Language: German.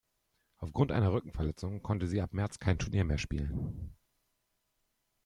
Aufgrund einer Rückenverletzung konnte sie ab März kein Turnier mehr spielen.